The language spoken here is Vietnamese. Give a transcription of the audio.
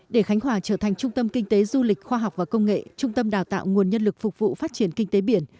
để khánh hòa trở thành trung tâm kinh tế du lịch khoa học và công nghệ trung tâm đào tạo nguồn nhân lực phục vụ phát triển kinh tế biển